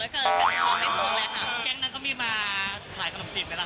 คอแห้งคอแห้งคอแห้ง